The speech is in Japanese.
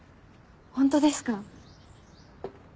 ホントですか？